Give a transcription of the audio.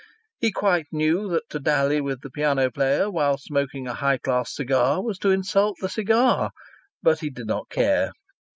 He quite knew that to dally with the piano player while smoking a high class cigar was to insult the cigar. But he did not care.